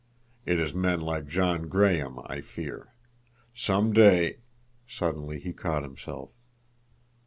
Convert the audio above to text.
It is men like John Graham I fear. Some day—" Suddenly he caught himself.